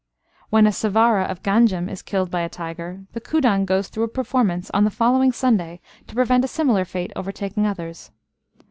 When a Savara of Ganjam is killed by a tiger, the Kudang goes through a performance on the following Sunday to prevent a similar fate overtaking others.